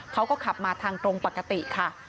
เขาก็ขับมาทางตรงปกติค่ะ